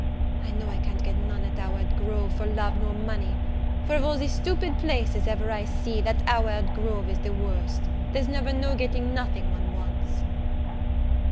I know I can't get none at Howard Grove for love nor money: for of all the stupid places ever I see, that Howard Grove is the worst; there's never no getting nothing one wants."